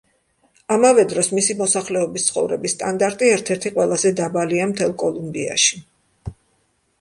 ამავე დროს, მისი მოსახლეობის ცხოვრების სტანდარტი ერთ-ერთი ყველაზე დაბალია მთელ კოლუმბიაში.